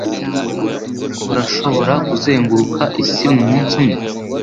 Urashobora kuzenguruka isi mumunsi umwe?